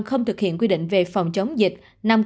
không thực hiện quy định về phòng chống dịch